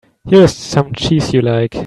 Here's some cheese you like.